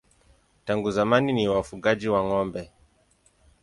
Tangu zamani ni wafugaji wa ng'ombe.